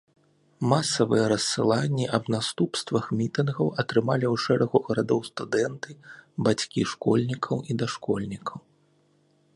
Масавыя рассыланні аб наступствах мітынгаў атрымалі ў шэрагу гарадоў студэнты, бацькі школьнікаў і дашкольнікаў.